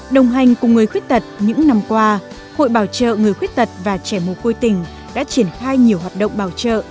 đồng hành cùng người khuyết tật những năm qua hội bảo trợ người khuyết tật và trẻ mồ côi tỉnh đã triển khai nhiều hoạt động bảo trợ